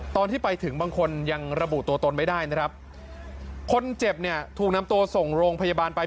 ตอนที่ไปถึงบางคนยังระบุตัวตนไม่ได้นะครับคนเจ็บเนี่ยถูกนำตัวส่งโรงพยาบาลไป